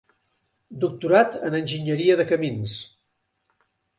Doctorat en enginyeria de camins.